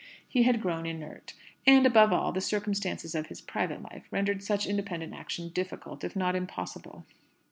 He had grown inert. And, above all, the circumstances of his private life rendered such independent action difficult, if not impossible.